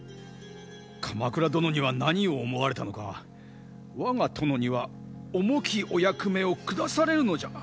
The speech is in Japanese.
鎌倉殿には何を思われたのか我が殿には重きお役目を下されぬのじゃ。